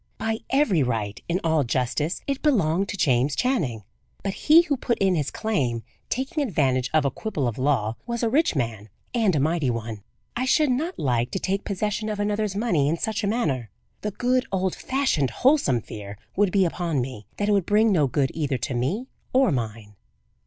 By every right, in all justice, it belonged to James Channing; but he who put in his claim, taking advantage of a quibble of law, was a rich man and a mighty one. I should not like to take possession of another's money in such a manner. The good, old fashioned, wholesome fear would be upon me, that it would bring no good either to me or mine.